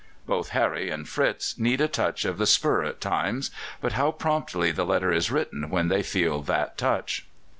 Both Harry and Fritz need a touch of the spur at times, but how promptly the letter is written when they feel that touch!